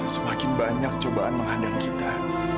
semakin banyak cobaan menghadang kita